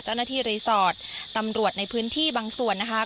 เจ้าหน้าที่รีสอร์ทตำรวจในพื้นที่บางส่วนนะคะ